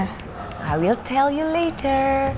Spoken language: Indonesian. aku akan ceritakan nanti